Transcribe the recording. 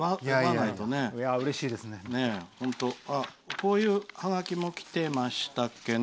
こういうはがきもきてましたっけね。